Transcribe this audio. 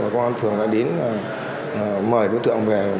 công an phường đã đến mời đối tượng về